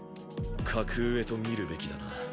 格上と見るべきだな。